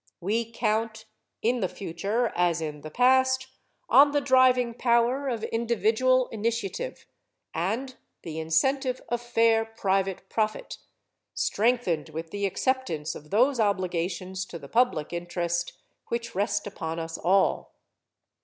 We count, in the future as in the past, on the driving power of individual initiative and the incentive of fair private profit, strengthened with the acceptance of those obligations to the public interest which rest upon us all.